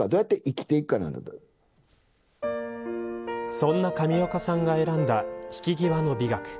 そんな上岡さんが選んだ引き際の美学。